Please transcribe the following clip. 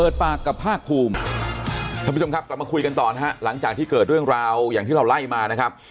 ปากกับภาคภูมิท่านผู้ชมครับกลับมาคุยกันต่อนะฮะหลังจากที่เกิดเรื่องราวอย่างที่เราไล่มานะครับ